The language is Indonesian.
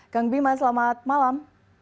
kang bima selamat malam